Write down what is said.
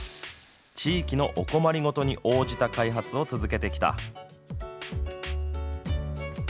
地域のお困りごとに応じた開発を続けてきた。